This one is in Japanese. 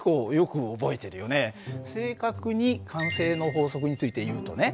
正確に慣性の法則について言うとね